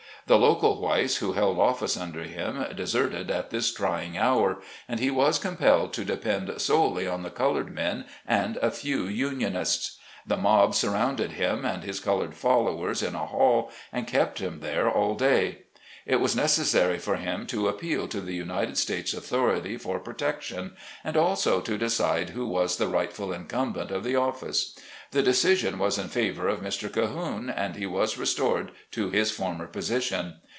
The local whites who held office under him deserted at this trying hour, and he was compelled to depend solely on the col ored men and a few unionists. The mob surrounded him and his colored followers in a hall and kept them there all day. It was necessary for him to appeal to the United 68 SLAVE CABIN TO PULPIT. States authorities for protection, and also to decide who was the rightful incumbent of the office. The decision was in favor of Mr. Cahoone, and he was restored to his former position.